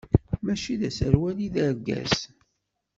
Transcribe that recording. Mačči d aserwal i d argaz.